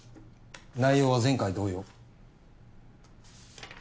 内容は前回同様。